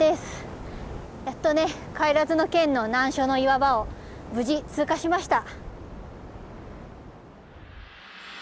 やっとね不帰ノ嶮の難所の岩場を無事通過しました。